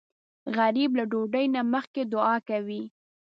غریب له ډوډۍ نه مخکې دعا کوي